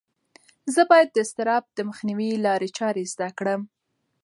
زه باید د اضطراب د مخنیوي لارې چارې زده کړم.